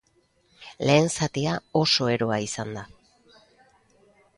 Lehen zatia oso eroa izan da.